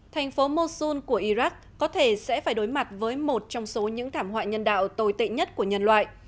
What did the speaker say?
thành phố mosun của iraq có thể sẽ phải đối mặt với một trong số những thảm họa nhân đạo tồi tệ nhất của nhân loại